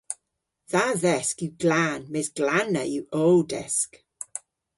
Dha dhesk yw glan mes glanna yw ow desk.